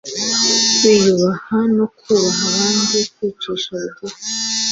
kwiyubaha no kubaha abandi , kwicisha bugufi